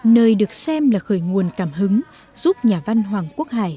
nơi được xem là khởi nguồn cảm hứng giúp nhà văn hoàng quốc hải